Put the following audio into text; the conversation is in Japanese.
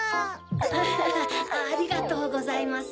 アハハありがとうございます。